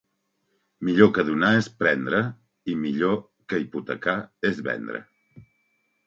Millor que donar és prendre; i millor que hipotecar és vendre.